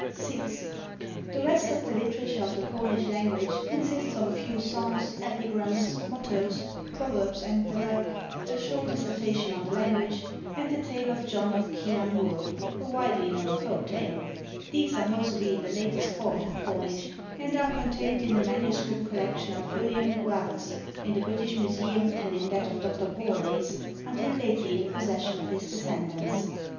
6. The rest of the literature of the Cornish language consists of a few songs, epigrams, mottoes, proverbs, and the like, a short dissertation on the language, and the tale of 'John of Chy an Hur,' a widely known folk tale. These are mostly in the latest form of Cornish, and are contained in the MS. collection of William Gwavas in the British Museum and in that of Dr. Borlase, until lately in the possession of his descendants.